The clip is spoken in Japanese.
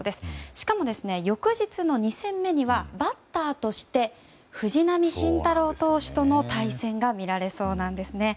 しかも、翌日の２戦目にはバッターとして藤浪晋太郎投手との対戦が見られそうなんですね。